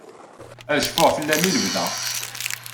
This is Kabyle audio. Ad cfuɣ fell-am i lebda.